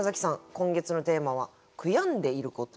今月のテーマは「悔やんでいること」。